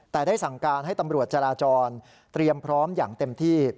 แต่ได้สั่งการให้ตำรวจจราจรเตรียมพร้อมอย่างเต็มที่